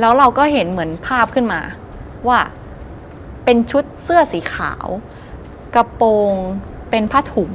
แล้วเราก็เห็นเหมือนภาพขึ้นมาว่าเป็นชุดเสื้อสีขาวกระโปรงเป็นผ้าถุง